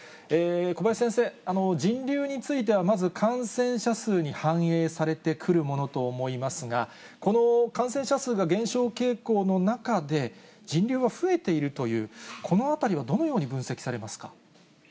小林先生、人流については、まず感染者数に反映されてくるものと思いますが、この感染者数が減少傾向の中で、人流は増えているという、このあたりはどのように分析されますか。